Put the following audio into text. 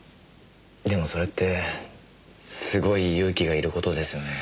でもそれってすごい勇気がいる事ですよね。